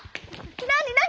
何何？